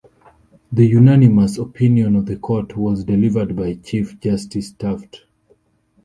The unanimous opinion of the Court was delivered by Chief Justice Taft.